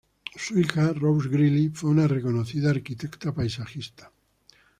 Su hija Rose Greely fue una reconocida arquitecta paisajista.